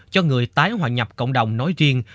cho người tái hòa nhập cộng đồng nói riêng